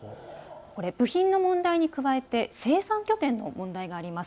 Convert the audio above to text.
部品の問題に加えて生産拠点の問題があります。